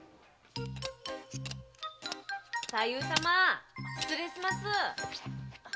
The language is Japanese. ・太夫様ァ失礼します。